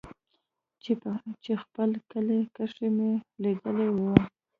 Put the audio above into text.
چې په خپل کلي کښې مې ليدلې وې.